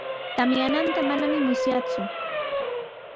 Tamyananta manami musyaaku.